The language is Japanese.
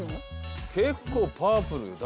結構パープル。